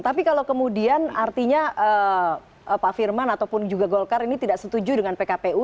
tapi kalau kemudian artinya pak firman ataupun juga golkar ini tidak setuju dengan pkpu